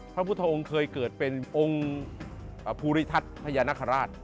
พระพุทธองค์เคยเกิดเป็นองค์ภูริทัศน์พญานาคาราช